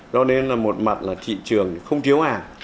do nên là một mặt là thị trường không thiếu hàng